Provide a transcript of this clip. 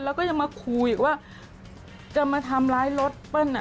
แล้วก็จะมาคุยว่าจะมาทำร้ายรถเปิ้ล